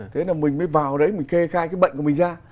thế là mình mới vào đấy mình kê khai cái bệnh của mình ra